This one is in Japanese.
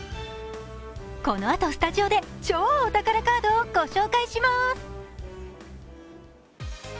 このあとスタジオで超お宝カードをご紹介します。